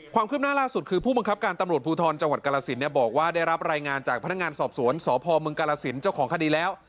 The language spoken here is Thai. ความคืบหน้าล่าสุดคือผู้บังคับการตำรวจภูทรจังหวัดกรสินบอกว่าได้รับรายงานจากพนักงานสอบสวนสพเมืองกาลสินเจ้าของคดีแล้ว